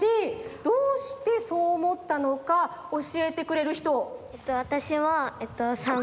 どうしてそうおもったのかおしえてくれるひと？